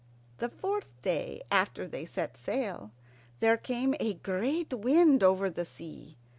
The fourth day after they set sail there came a great wind over the sea.